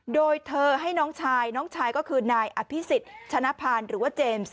โดยเธอให้น้องชายน้องชายก็คือนายอภิษฎชนะพานหรือว่าเจมส์